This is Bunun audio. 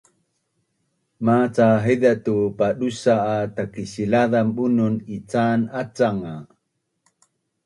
Maca haiza tu padusa’ a Takisilazan bunun ican acangan nga